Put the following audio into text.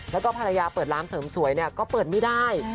แล้วก็ภรรยาเปิดร้านเสริมสวยก็เปิดไม่ได้